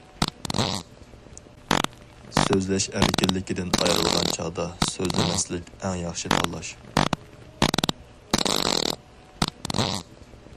سۆزلەش ئەركىنلىكىدىن ئايرىلغان چاغدا سۆزلىمەسلىك ئەڭ ياخشى تاللاش.